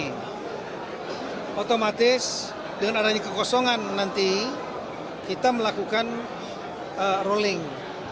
nah otomatis dengan adanya kekosongan nanti kita melakukan rolling